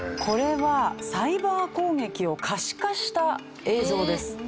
これはサイバー攻撃を可視化した映像です。